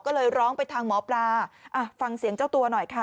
ก็เลยร้องไปทางหมอปลาอ่ะฟังเสียงเจ้าตัวหน่อยค่ะ